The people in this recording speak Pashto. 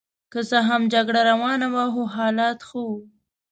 که څه هم جګړه روانه وه خو حالات ښه وو.